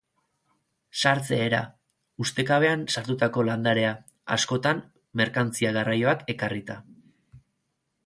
Sartze-era: Ustekabean sartutako landarea, askotan merkantzia-garraioak ekarrita.